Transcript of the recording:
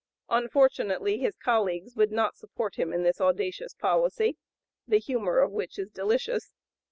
Unfortunately his colleagues would not support him in this audacious policy, the humor of which is delicious.